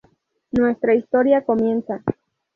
Nuestra historia comienza...